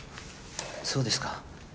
そうですか。